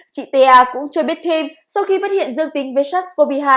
chị t a cũng cho biết thêm sau khi phát hiện dâng tính với sars cov hai